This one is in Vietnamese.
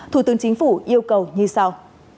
thủ tướng chính phủ yêu cầu như sau